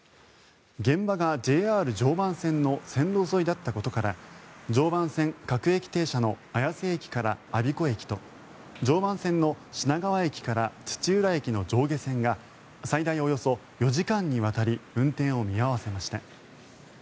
現場がＪＲ常磐線の線路沿いだったことから常磐線各駅停車の綾瀬駅から我孫子駅と常磐線の品川駅から土浦駅の上下線が最大およそ４時間にわたり運転を見合わせました。